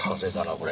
これ